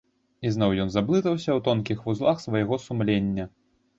І зноў ён заблытаўся ў тонкіх вузлах свайго сумлення.